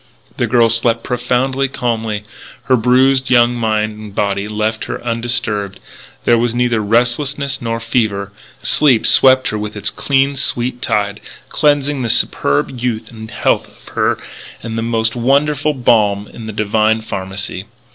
The girl slept profoundly, calmly. Her bruised young mind and body left her undisturbed. There was neither restlessness nor fever. Sleep swept her with its clean, sweet tide, cleansing the superb youth and health of her with the most wonderful balm in the Divine pharmacy.